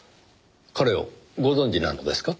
彼をご存じなのですか？